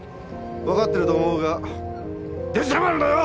わかってると思うが出しゃばるなよ！